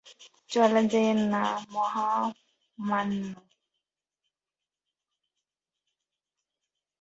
চলে যাইয়েন না, মহামান্য।